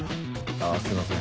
あすいません